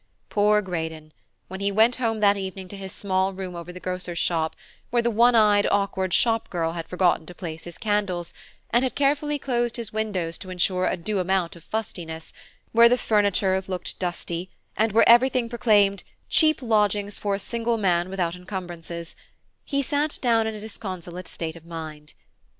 Poor Greydon! when he went home that evening to his small room over the grocer's shop, where the one eyed awkward shop girl had forgotten to place his candles, and had carefully closed his windows to insure a due amount of fustiness, where the furniture looked dusty, and where everything proclaimed "cheap lodgings for a single man without encumbrances," he sat down in a disconsolate state of mind.